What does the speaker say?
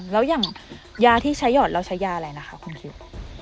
แล้วอย่างยาที่ใช้หอดเราใช้ยาอะไรนะคะคุณคิว